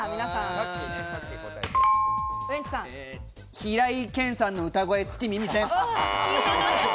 平井堅さんの歌声つき耳栓。